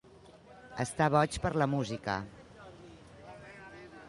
Estar boig per la música.